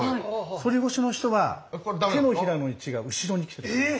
反り腰の人は手のひらの位置が後ろにきてます。